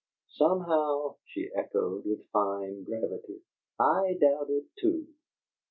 "Somehow," she echoed, with fine gravity, "I doubt it, too."